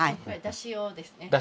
だし用ですね。